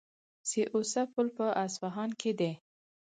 سي او سه پل په اصفهان کې دی.